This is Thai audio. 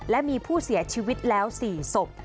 และมีผู้เสียชีวิตแล้ว๔ศพ